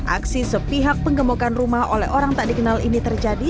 aksi sepihak penggembokan rumah oleh orang tak dikenal ini terjadi